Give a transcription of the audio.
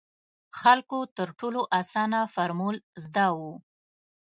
خلکو تر ټولو اسانه فارمول زده وو.